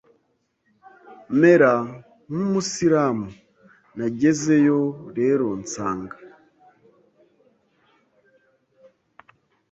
mera nk’umusilamu, nagezeyo rero nsanga